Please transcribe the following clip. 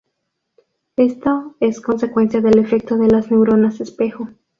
Esto es consecuencia del efecto de las neuronas espejo.